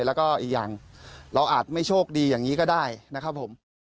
แล้วก็อีกอย่างเราอาจไม่โชคดีอย่างนี้ก็ได้นะครับผม